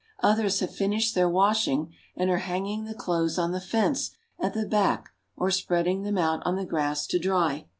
Others have finished their wash ing, and are hanging the clothes on the fence at the back or spreading them out on the grass to dry.